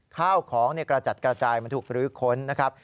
ข้าวของกระจัดกระจายมันถูกรื้อค้นนะครับ